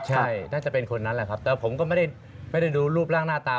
ใช่น่าจะเป็นคนนั้นแหละครับแต่ผมก็ไม่ได้ดูรูปร่างหน้าตา